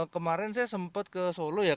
kemarin saya sempat ke solo ya